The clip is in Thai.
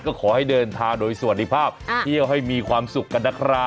ก็ขอให้เดินทางโดยสวัสดีภาพเที่ยวให้มีความสุขกันนะครับ